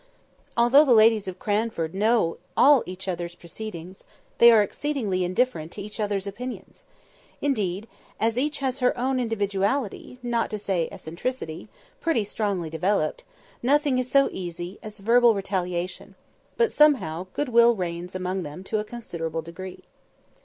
Although the ladies of Cranford know all each other's proceedings, they are exceedingly indifferent to each other's opinions. Indeed, as each has her own individuality, not to say eccentricity, pretty strongly developed, nothing is so easy as verbal retaliation; but, somehow, good will reigns among them to a considerable degree.